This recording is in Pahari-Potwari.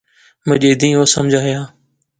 مجیدیں او سمجھایا